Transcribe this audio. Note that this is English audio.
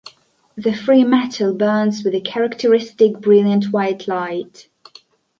The free metal burns with a characteristic brilliant-white light.